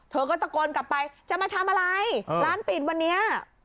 เธอก็ตะโกนกลับไปจะมาทำอะไรร้านปิดวันนี้